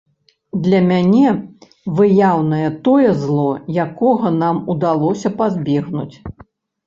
Для мяне выяўнае тое зло, якога нам удалося пазбегнуць.